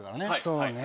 そうね